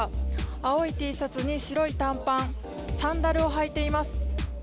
青いＴシャツに白い短パン、サンダルを履いています。